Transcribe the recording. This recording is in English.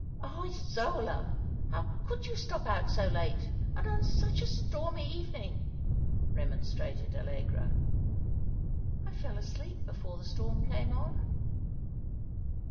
" Oh, Isola ; how could you stop out so late, and on such a stormy evening ?" remonstrated Allegra. " I fell asleep before the storm came on."